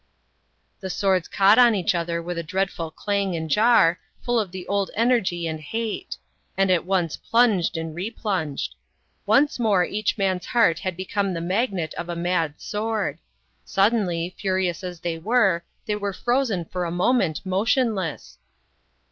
The swords caught on each other with a dreadful clang and jar, full of the old energy and hate; and at once plunged and replunged. Once more each man's heart had become the magnet of a mad sword. Suddenly, furious as they were, they were frozen for a moment motionless.